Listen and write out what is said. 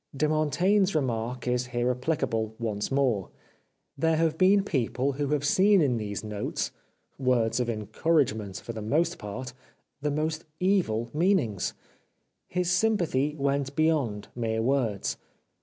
De Mon taigne's remark is here applicable once more. There have been people who have seen in these notes, words of encouragement for the most part, the most evil meanings. His sympathy went beyond mere words.